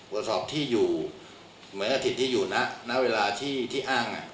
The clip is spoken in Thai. ตรวจสอบที่อยู่เหมือนอาทิตย์ที่อยู่ณเวลาที่อ้าง